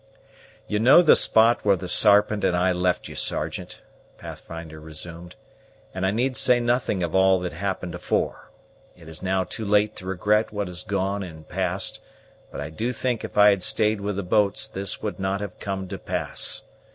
"You know the spot where the Sarpent and I left you, Sergeant," Pathfinder resumed; "and I need say nothing of all that happened afore. It is now too late to regret what is gone and passed; but I do think if I had stayed with the boats this would not have come to pass.